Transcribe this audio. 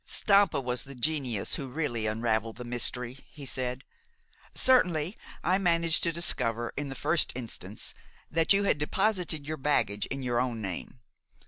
"Stampa was the genius who really unraveled the mystery," he said. "Certainly, I managed to discover, in the first instance, that you had deposited your baggage in your own name.